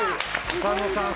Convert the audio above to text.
浅野さん